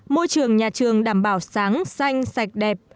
môi trường nhà trường đảm bảo sáng xanh sạch đẹp